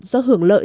do hưởng lợi